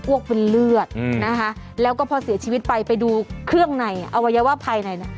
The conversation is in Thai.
วกเป็นเลือดนะคะแล้วก็พอเสียชีวิตไปไปดูเครื่องในอวัยวะภายในน่ะ